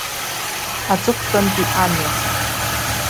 Аҵыхәтәантәи амҩа.